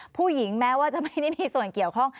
ผู้หญิงแม้ว่าจะไม่ได้มีส่วนเกี่ยวข้อง